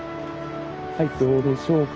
はいどうでしょうか。